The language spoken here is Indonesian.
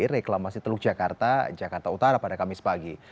reklamasi teluk jakarta jakarta utara pada kamis pagi